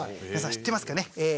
皆さん知ってますかね？